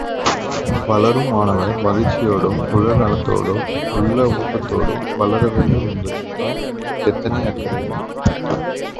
வளரும் மாணவர், மகிழ்ச்சியோடும், உடல் நலத்தோடும், உள்ள ஊக்கத்தோடும் வளர வேண்டும் என்பதில் தான் எத்தனை அக்கறை!